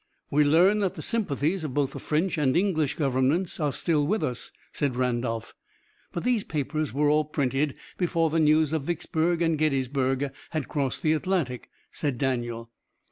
"We learn that the sympathies of both the French and English governments are still with us," said Randolph. "But these papers were all printed before the news of Vicksburg and Gettysburg had crossed the Atlantic," said Daniel.